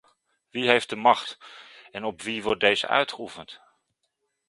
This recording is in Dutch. Wie heeft de macht en op wie wordt deze uitgeoefend?